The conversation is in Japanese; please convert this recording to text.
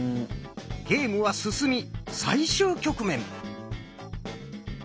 ゲームは進み最終局面。